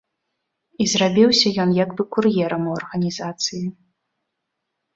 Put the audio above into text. І зрабіўся ён як бы кур'ерам у арганізацыі.